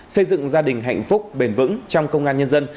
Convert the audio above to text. xây dựng gia đình hạnh phúc bền vững trong công an nhân dân